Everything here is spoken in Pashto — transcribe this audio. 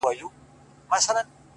اوس خورا په خړپ رپيږي ورځ تېرېږي-